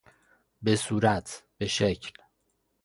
به صورت، به شکل